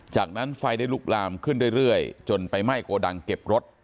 จากนั้นไฟได้ลุกลามขึ้นเรื่อยจนไปไหม้โกดังเก็บรถ